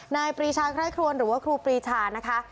ปรีชาไคร่ครวนหรือว่าครูปรีชานะคะ